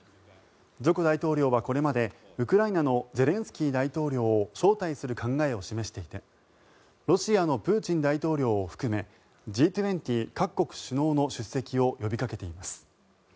ジョコ大統領はこれまでウクライナのゼレンスキー大統領を招待する考えを示していてロシアのプーチン大統領を含めＧ２０各国首脳の出席を呼びかけています。